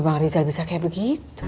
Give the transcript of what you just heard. kenapa bang rizal bisa kayak begitu ya